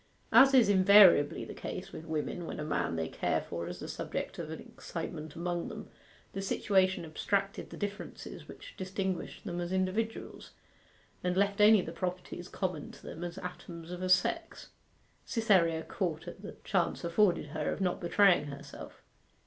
As is invariably the case with women when a man they care for is the subject of an excitement among them, the situation abstracted the differences which distinguished them as individuals, and left only the properties common to them as atoms of a sex. Cytherea caught at the chance afforded her of not betraying herself.